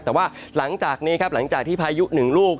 แต่ว่าหลังจากนี้ครับหลังจากที่พายุหนึ่งลูก